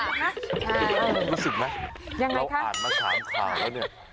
รู้สึกไหมเราอ่านมาถามค่าแล้วเนี่ย